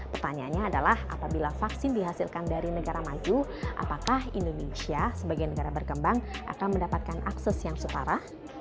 pertanyaannya adalah apabila vaksin dihasilkan dari negara maju apakah indonesia sebagai negara berkembang akan mendapatkan akses yang separah